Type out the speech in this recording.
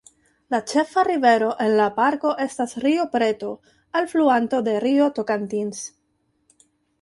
La ĉefa rivero en la parko estas Rio Preto, alfluanto de Rio Tocantins.